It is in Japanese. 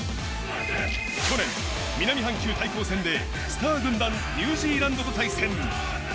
去年、南半球対抗戦で、スター軍団・ニュージーランドと対戦。